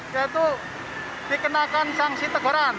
yaitu dikenakan sanksi teguran